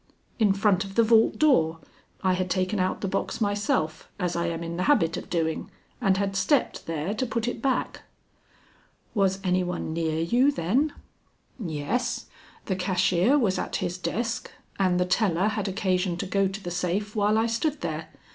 "In front of the vault door. I had taken out the box myself as I am in the habit of doing, and had stepped there to put it back." "Was any one near you then?" "Yes. The cashier was at his desk and the teller had occasion to go to the safe while I stood there.